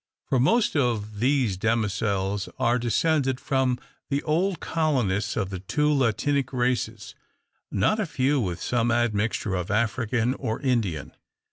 For most of these demoiselles are descended from the old colonists of the two Latinic races; not a few with some admixture of African, or Indian.